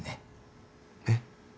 えっ？